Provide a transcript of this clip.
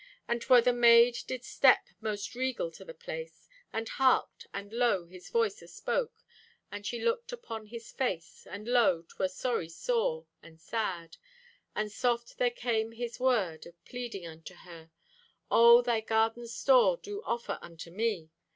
And 'twere the maid did step most regal to the place. And harked, and lo, His voice aspoke. And she looked upon His face, And lo, 'twere sorry sore, and sad! And soft there came His word Of pleading unto her: "O' thy garden's store do offer unto me."